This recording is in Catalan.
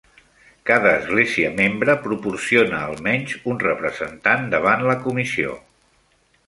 Cada església membre proporciona almenys un representant davant la Comissió.